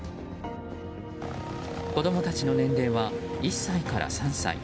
子供たちの年齢は１歳から３歳。